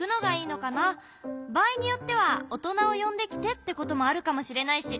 ばあいによっては「おとなをよんできて」ってこともあるかもしれないし。